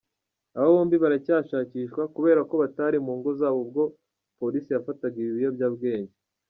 Aba bombi baracyashakishwa kubera ko batari mu ngo zabo ubwo Polisi yafataga ibi biyobyabwenge.